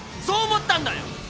そう思ったんだよ」